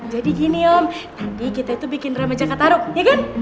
jadi gini om tadi kita itu bikin drama jakarta ruk ya kan